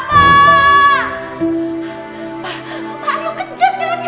pak ayo kejar dia lagi